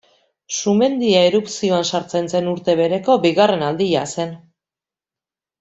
Sumendia erupzioan sartzen zen urte bereko bigarren aldia zen.